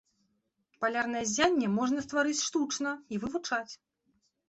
Палярнае ззянне можна стварыць штучна і вывучаць.